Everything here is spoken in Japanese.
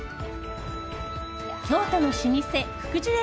京都の老舗、福寿園